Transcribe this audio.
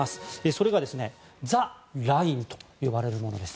それがザ・ラインと呼ばれるものです。